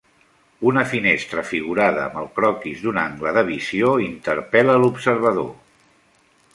Una finestra figurada amb el croquis d'un angle de visió interpel·la l'observador.